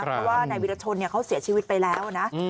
เพราะว่านายวิรชนเขาเสียชีวิตไปแล้วนะ